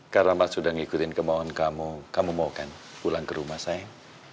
karena aku sudah ngikutin kemohonan kamu kamu mau kan pulang ke rumah sayang